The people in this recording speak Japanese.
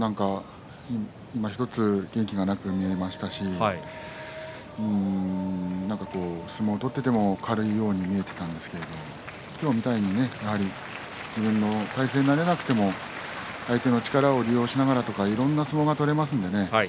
いまひとつ元気がなく見えましたし相撲を取っていても軽いように見えていたんですけども今日みたいに自分の体勢になれなくても相手の力を利用しながらとかいろんな相撲が取れますのでね